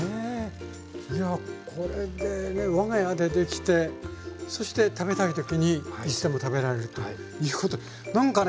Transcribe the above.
いやこれでね我が家でできてそして食べたい時にいつでも食べられるということで何かね